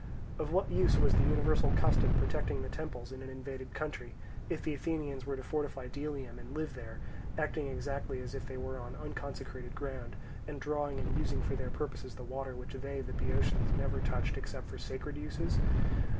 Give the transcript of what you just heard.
Of what use was the universal custom protecting the temples in an invaded country, if the Athenians were to fortify Delium and live there, acting exactly as if they were on unconsecrated ground, and drawing and using for their purposes the water which they, the Boeotians, never touched except for sacred uses?